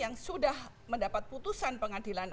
yang sudah mendapat putusan pengadilan